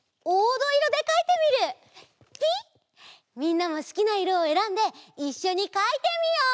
みんなもすきないろをえらんでいっしょにかいてみよう！